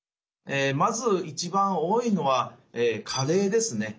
まず一番多いのは加齢ですね。